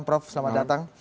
prof selamat datang